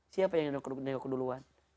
siapa yang nengok nengok duluan